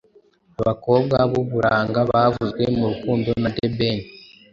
abakobwa b’uburanga bavuzwe mu rukundo na the ben